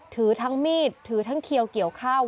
ถือทั้งมีดถือทั้งเขียวเกี่ยวข้าว